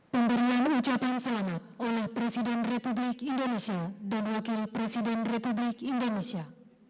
kepada komisaris jenderal polisi dr andos listio sigit pradu msi sebagai kepala kepolisian negara republik indonesia